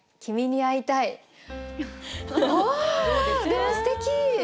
でもすてき。